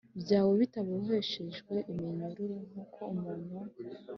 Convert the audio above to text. byawe bitaboheshejwe iminyururu Nk uko umuntu